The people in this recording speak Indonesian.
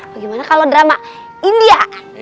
bagaimana kalau drama india